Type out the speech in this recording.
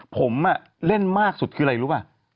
ผมเล่นมากสุดคืออะไรรู้ป่ะ